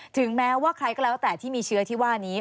ถึงแม้ว่าใครก็แล้วแต่ที่มีเชื้อที่ว่านี้